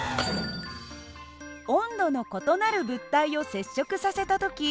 温度の異なる物体を接触させた時